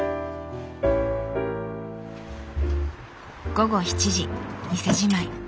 午後７時店じまい。